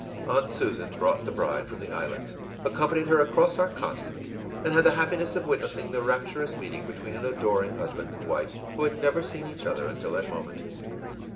Aunt Susan brought the bride from the islands, accompanied her across our continent, and had the happiness of witnessing the rapturous meeting between an adoring husband and wife who had never seen each other until that moment.